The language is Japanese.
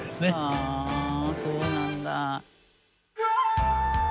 はあそうなんだ。